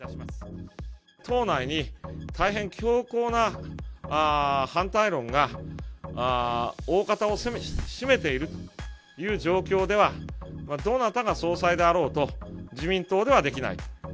党内に大変強硬な反対論が、大方を占めているという状況では、どなたが総裁であろうと、自民党ではできないと。